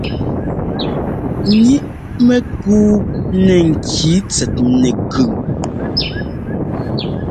Ŋíʼ mɛkuu nɛ ŋki tsɛt nɛkʉn.